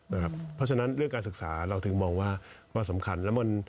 เพราะฉะนั้นเรื่องการศึกษาเราถึงมองว่ามันสำคัญแล้ว